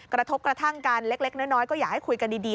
กระทบกระทั่งกันเล็กน้อยก็อยากให้คุยกันดี